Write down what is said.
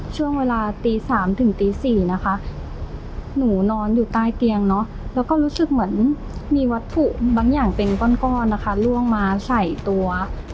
ช่วงเวลาตี๓ถึงตี๔นะคะหนูนอนอยู่ใต้เตียงเนาะแล้วก็รู้สึกเหมือนมีวัตถุบางอย่างเป็นก้อนนะคะล่วงมาใส่ตัว